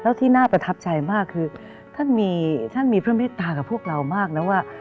แล้วที่น่าประทับใจมากคือท่านมีท่านมีพระเมตตากับพวกเรามากนะว่า